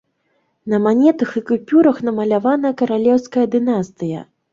На манетах і купюрах намалявана каралеўская дынастыя.